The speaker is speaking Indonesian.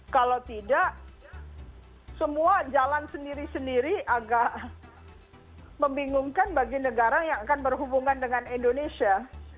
kalau tidak semua jalan sendiri sendiri agak membingungkan bagi negara yang akan berhubungan dengan indonesia